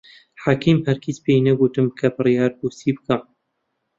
حەکیم هەرگیز پێی نەگوتم کە بڕیار بوو چی بکەم.